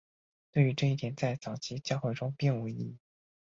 对于这一点在早期教会中并无异议。